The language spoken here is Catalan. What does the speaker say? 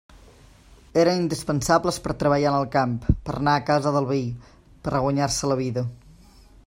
Eren indispensables per a treballar en el camp, per a anar a la casa del veí, per a guanyar-se la vida.